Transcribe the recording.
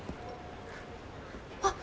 あっ！